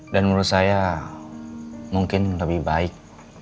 dan menurut saya mungkin lebih baik